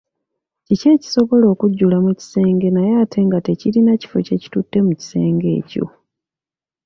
Kiki ekisobola okujjula mu kisenge naye ate nga tekirina kifo kye kitutte mu kisenge ekyo?